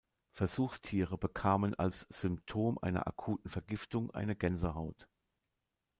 Versuchstiere bekamen als Symptom einer akuten Vergiftung eine Gänsehaut.